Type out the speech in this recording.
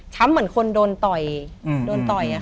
ฉ้ำเหมือนคนโดนปล่อย